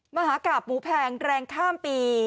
มหากราบหมูแพงแรงข้ามปี